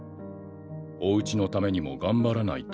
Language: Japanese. おうちのためにも頑張らないと。